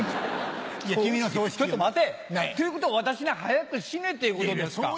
ちょっと待て！ということは私に早く死ねっていうことですか。